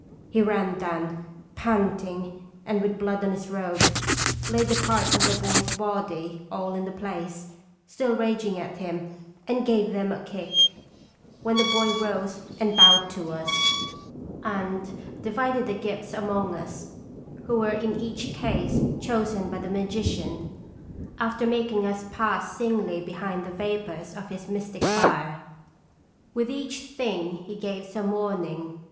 He ran down, panting, and with blood on his robe, laid the parts of the boy's body all in place, still raging at him, and gave them a kick, when the boy rose and bowed to us and 8cc0n& Carfc tOins." 235 divided the gifts among us, who were in each case chosen by the magician, after making us pass singly behind the vapors of hte mystic fire. With each thing he gave some warning.